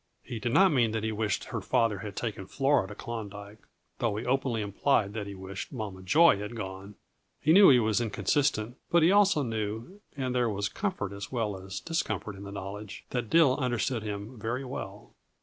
He did not mean that he wished her father had taken Flora to Klondyke, though he openly implied that he wished Mama Joy had gone. He knew he was inconsistent, but he also knew and there was comfort as well as discomfort in the knowledge that Dill understood him very well.